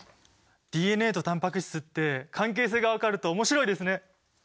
ＤＮＡとタンパク質って関係性が分かると面白いですね！